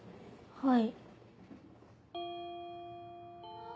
はい。